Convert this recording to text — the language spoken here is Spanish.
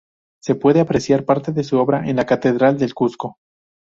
Se puede apreciar parte de su obra en la Catedral del Cuzco.